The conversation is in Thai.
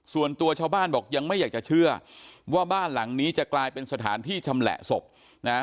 ส่วนตัวชาวบ้านบอกยังไม่อยากจะเชื่อว่าบ้านหลังนี้จะกลายเป็นสถานที่ชำแหละศพนะฮะ